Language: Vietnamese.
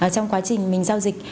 trong quá trình mình giao dịch